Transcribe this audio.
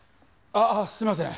ああすいません。